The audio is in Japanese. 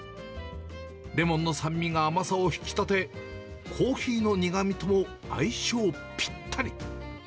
レモンの酸味が甘さを引き立て、コーヒーの苦みとも相性ぴったり。